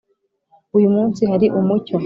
uyu munsi hari umucyo